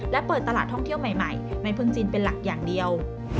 และเปิดตลาดท่องเที่ยวใหม่ในเมืองจีนเป็นหลักอย่างเดียว